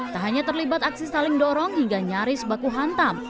tak hanya terlibat aksi saling dorong hingga nyaris baku hantam